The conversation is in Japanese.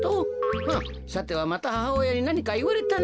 ふんさてはまたははおやになにかいわれたな？